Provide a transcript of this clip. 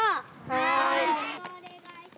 はい。